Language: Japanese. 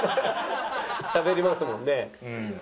しゃべりますもんね。